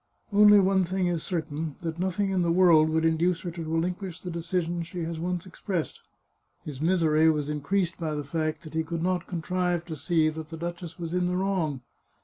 " Only one thing is certain — that nothing in the world would induce her to relinquish the decisions she has once expressed." His misery was increased by the fact that he could not contrive to see that the duchess was in the wrong.